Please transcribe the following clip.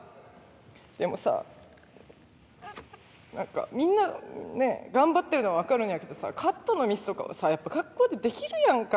でもさなんかみんなね頑張ってるのはわかるんやけどさカットのミスとかはさやっぱり学校でできるやんか。